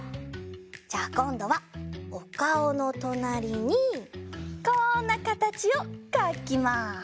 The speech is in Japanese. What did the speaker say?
じゃあこんどはおかおのとなりにこんなかたちをかきます。